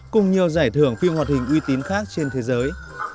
cùng nhiều giải thưởng phim họa thình uy tín khác trên thế giới